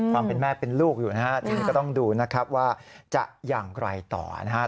ความเป็นแม่เป็นลูกอยู่นะฮะทีนี้ก็ต้องดูนะครับว่าจะอย่างไรต่อนะครับ